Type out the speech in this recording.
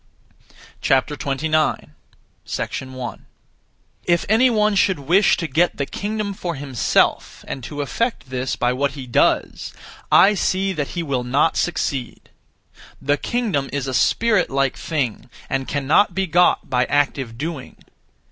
29. 1. If any one should wish to get the kingdom for himself, and to effect this by what he does, I see that he will not succeed. The kingdom is a spirit like thing, and cannot be got by active doing.